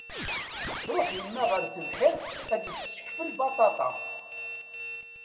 Tṛuḥ yemma ɣer tebḥirt ad d-tessekfel baṭaṭa.